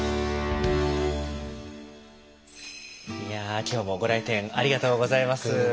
いや今日もご来店ありがとうございます。